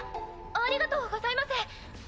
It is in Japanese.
ありがとうございます。